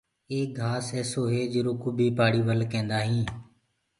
ايڪ گھآس ايسو هي جرو ڪوُ بي پآڙي ول ڪيندآ هينٚ۔